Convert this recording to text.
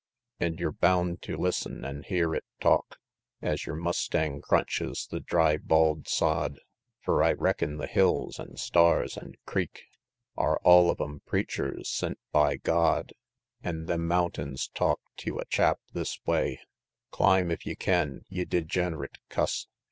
An' yer bound tew listen an' hear it talk, Es yer mustang crunches the dry, bald sod; Fur I reckin' the hills, an' stars, an' creek Are all of 'em preachers sent by God. An' them mountains talk tew a chap this way: "Climb, if ye can, ye degenerate cuss!"